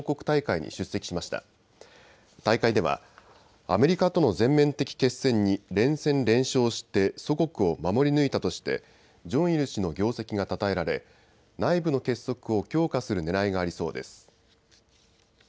大会ではアメリカとの全面的決戦に連戦連勝して祖国を守り抜いたとしてジョンイル氏の業績がたたえられ内部の結束を強化するねらいがありそうです。